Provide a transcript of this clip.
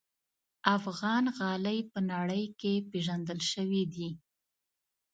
افغان غالۍ په نړۍ کې پېژندل شوي دي.